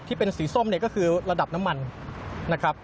ที่เป็นสีส้มเนี่ยก็คือระดับน้ำมันนะครับ